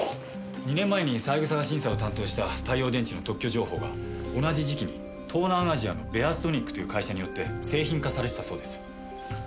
２年前に三枝が審査を担当した太陽電池の特許情報が同じ時期に東南アジアのベアソニックという会社によって製品化されてたそうです。